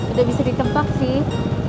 udah bisa ditempak sih